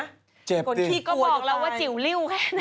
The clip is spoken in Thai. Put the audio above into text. คนที่กลัวอยู่ในตัว